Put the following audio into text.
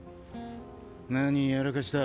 何やらかした？